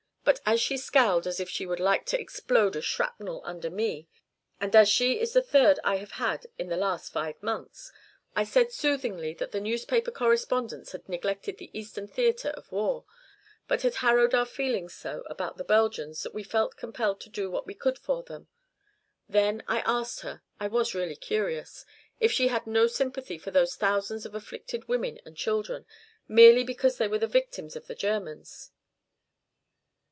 But as she scowled as if she would like to explode a shrapnel under me, and as she is the third I have had in the last five months, I said soothingly that the newspaper correspondents had neglected the eastern theatre of war, but had harrowed our feelings so about the Belgians that we felt compelled to do what we could for them. Then I asked her I was really curious if she had no sympathy for those thousands of afflicted women and children, merely because they were the victims of the Germans.